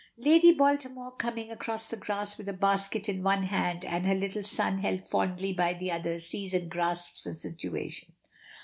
Lady Baltimore coming across the grass with a basket in one hand and her little son held fondly by the other, sees and grasps the situation.